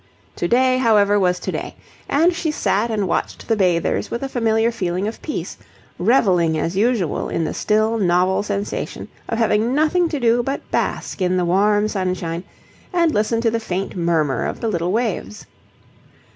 To day, however, was to day: and she sat and watched the bathers with a familiar feeling of peace, revelling as usual in the still novel sensation of having nothing to do but bask in the warm sunshine and listen to the faint murmur of the little waves.